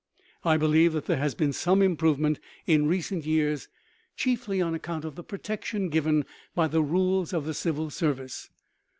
I believe that there has been some improvement in recent years, chiefly on account of the protection given by the rules of the civil service.